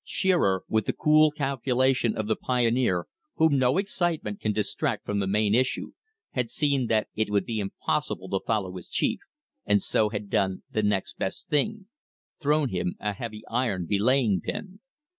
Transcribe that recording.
Shearer, with the cool calculation of the pioneer whom no excitement can distract from the main issue, had seen that it would be impossible to follow his chief, and so had done the next best thing, thrown him a heavy iron belaying pin.